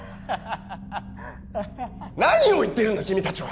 ハハハハ何を言ってるんだ君達は！